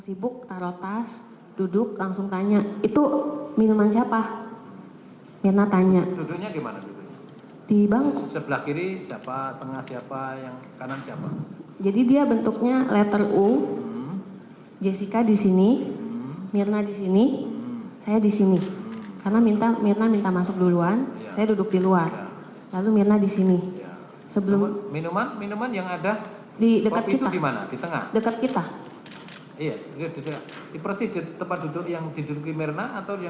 sebelum minuman minuman yang ada di dekat kita